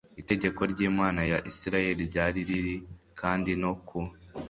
itegeko ry imana ya isirayeli ryari riri kandi no ku